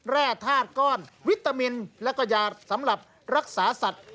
แร่ธาตุก้อนวิตามินแล้วก็ยาสำหรับรักษาสัตว์